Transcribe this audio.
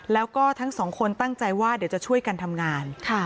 แล้วก็ทั้งสองคนตั้งใจว่าเดี๋ยวจะช่วยกันทำงาน